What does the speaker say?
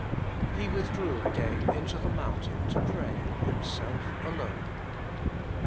"He withdrew again into the mountain to pray, Himself alone." MATT.